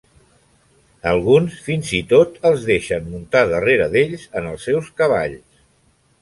Alguns fins i tot els deixen muntar darrere d'ells en els seus cavalls.